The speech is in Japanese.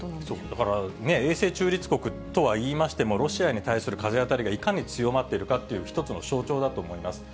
だから永世中立国とはいいましても、ロシアに対する風当たりがいかに強まっているかという、一つの象徴だと思います。